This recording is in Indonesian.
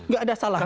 gak ada salahnya